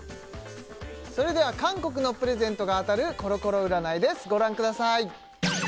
それでは韓国のプレゼントが当たるコロコロ占いですご覧ください